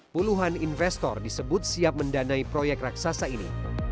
puluhan investor disebut siap mendanai proyek raksasa ini